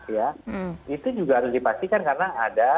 itu juga harus dipastikan karena ada